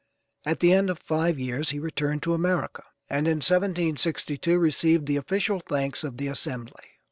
At the end of five years he returned to America, and in 1762 received the official thanks of the Assembly.